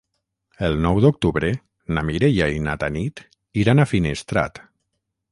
El nou d'octubre na Mireia i na Tanit iran a Finestrat.